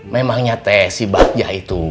memang nyate si bagja itu